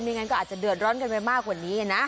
งั้นก็อาจจะเดือดร้อนกันไปมากกว่านี้นะ